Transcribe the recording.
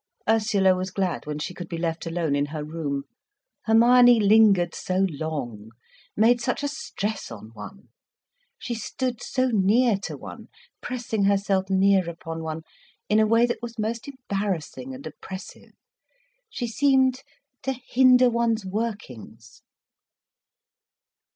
Ursula was glad when she could be left alone in her room. Hermione lingered so long, made such a stress on one. She stood so near to one, pressing herself near upon one, in a way that was most embarrassing and oppressive. She seemed to hinder one's workings.